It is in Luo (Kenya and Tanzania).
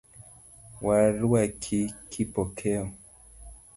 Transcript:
Waruaki Kipokeo.